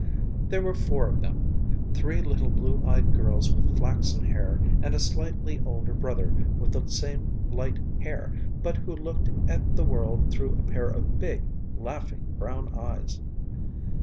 There were four of them, three little blue eyed girls with flaxen hair and a slightly older brother with the same light hair but who looked at the world through a pair of big, laughing brown eyes.